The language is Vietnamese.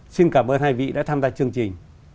xin cảm ơn hai vị đã tham gia chương trình